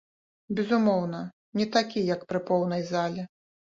Безумоўна, не такі як пры поўнай зале.